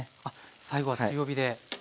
最後は強火で。